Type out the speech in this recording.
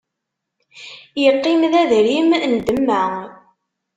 Iqqim d adrim n demma.